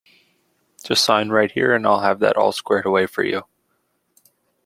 Just sign right here and I’ll have that all squared away for you.